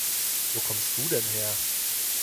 Wo kommst du denn her?